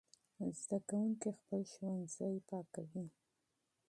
زده کوونکي خپل ښوونځي پاکوي.